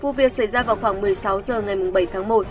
vụ việc xảy ra vào khoảng một mươi sáu h ngày bảy tháng một